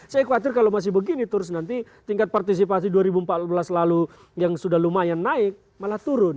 saya khawatir kalau masih begini terus nanti tingkat partisipasi dua ribu empat belas lalu yang sudah lumayan naik malah turun